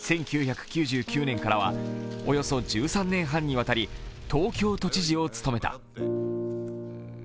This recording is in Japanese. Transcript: １９９９年からはおよそ１３年半にわたり東京都知事を務めた。